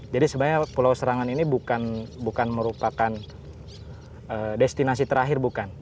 jadi sebenarnya pulau serangan ini bukan merupakan destinasi terakhir bukan